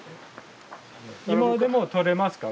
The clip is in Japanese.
今でもとれますか？